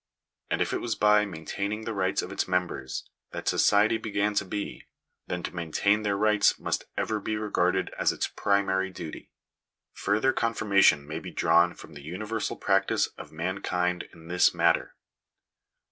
And if it was by maintaining the rights of its members that society began to be, then to maintain their rights must ever be regarded as its primary duty. , Further confirmation may be drawn from the universal practice of mankind in this matter.